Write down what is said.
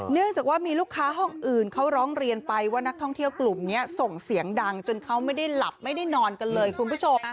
เนื่องจากว่ามีลูกค้าห้องอื่นเขาร้องเรียนไปว่านักท่องเที่ยวกลุ่มนี้ส่งเสียงดังจนเขาไม่ได้หลับไม่ได้นอนกันเลยคุณผู้ชม